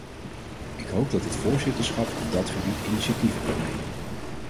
Ik hoop dat het voorzitterschap op dat gebied initiatieven kan nemen.